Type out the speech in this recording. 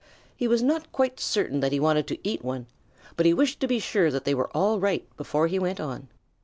He was not quite certain that he wanted to eat one, but he wished to be sure that they were all right before he went on.